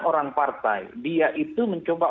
orang partai dia itu mencoba